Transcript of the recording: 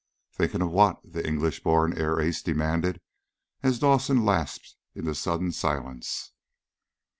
"Thinking of what?" the English born air ace demanded as Dawson lapsed into sudden silence.